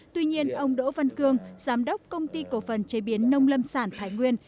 tuy nhiên ông đỗ văn cương giám đốc công ty cổ phần chế biến nông lâm sản thái nguyên